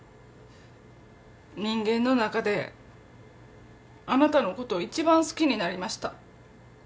人間の中であなたのことを一番好きになりました。